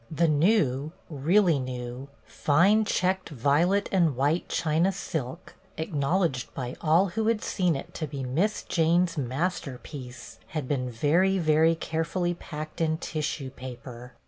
The new, really new, fine checked violet and white China silk, acknowledged by all who had seen it to be Miss Jane's master piece, had been very, very carefully packed in tissue pajier.